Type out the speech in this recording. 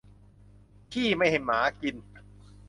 ขี้ไม่ให้หมากิน